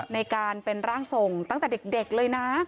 ในการเป็นร่างทรงตั้งแต่เด็กเลยนะ